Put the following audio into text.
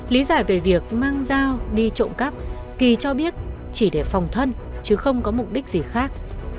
lý giải về việc mang dao đi trộm cắp thì cho biết chỉ để phòng thân chứ không có mục đích gì khác